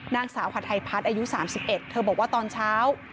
นางสาวขวัดไทยพัฒน์อายุสามสิบเอ็ดเธอบอกว่าตอนเช้า